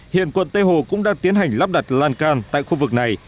hiện quận tây hồ cũng đang tiến hành lắp đặt lan can tại khu vực này